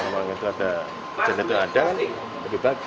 kalau memang itu ada kejadian itu ada lebih baik